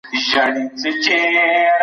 دښمن سره هم باید په انصاف چلند وسي.